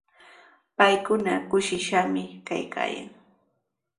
Paykuna kushishqami kaykaayan.